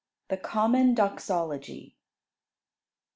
The Common Doxology. 115.